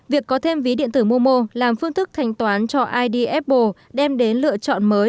việc có thêm ví điện tử momo làm phương thức thanh toán cho id apple đem đến lựa chọn mới